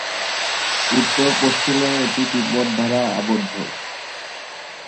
উত্তর-পশ্চিমে এটি তিব্বত দ্বারা আবদ্ধ।